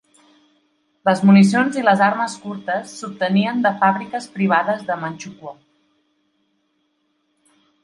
Les municions i les armes curtes s'obtenien de fàbriques privades de Manxukuo.